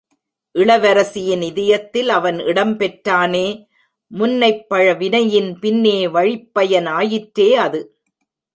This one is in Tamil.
இளவரசியின் இதயத்தில் அவன் இடம்பெற்றானே? முன்னைப்பழ வினையின் பின்னே வழிப்பயன் ஆயிற்றே அது?